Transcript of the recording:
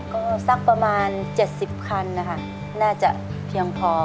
ก็สักประมาณ๗๐คันนะคะน่าจะเพียงพอ